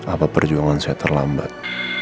apa perjuangan saya terlambat